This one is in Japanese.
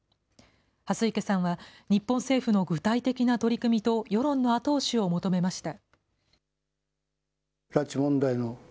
蓮池さんは、日本政府の具体的な取り組みと世論の後押しを求めました。